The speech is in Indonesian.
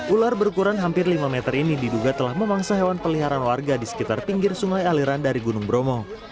ular berukuran hampir lima meter ini diduga telah memangsa hewan peliharaan warga di sekitar pinggir sungai aliran dari gunung bromo